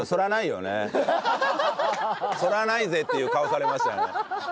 そりゃないぜっていう顔されましたね。